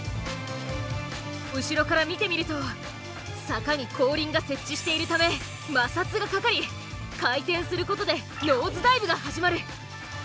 後ろから見てみると坂に後輪が接地しているため摩擦がかかり回転することでノーズダイブが始まる。